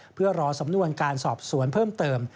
เพื่อรอสำนวนการสอบสวนเพิ่มเติม